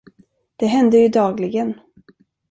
Det händer ju dagligen!